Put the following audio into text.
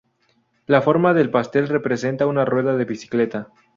La forma del pastel representa una rueda de bicicleta.